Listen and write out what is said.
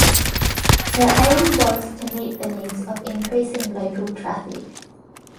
The aim was to meet the needs of increasing local traffic.